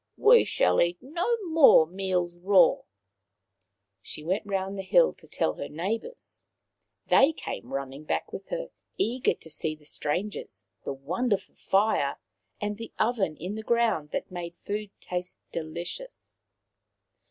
" We shall eat no more meals raw." She went round the hill to tell her neighbours. They came running back with her, eager to see the strangers, the wonderful fire, and the oven in the ground that made food taste delicious.